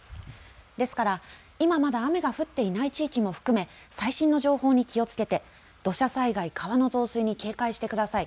ですから今まだ雨が降っていない地域も含め最新の情報に気をつけて土砂災害、川の増水に警戒してください。